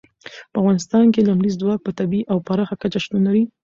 په افغانستان کې لمریز ځواک په طبیعي او پراخه کچه شتون لري.